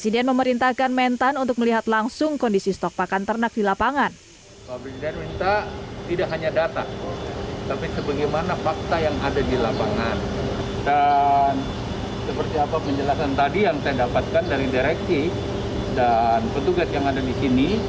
dan seperti apa penjelasan tadi yang saya dapatkan dari direksi dan petugas yang ada di sini